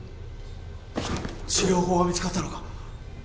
治療法が見つかったのか？